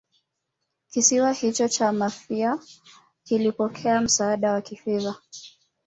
kisiwa hicho cha Mafia kilipokea msaada wa kifedha